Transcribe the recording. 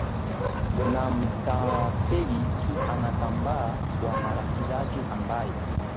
na mtapeli tu anatambaa kwa marafiki zake ambaye